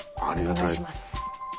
お願いします。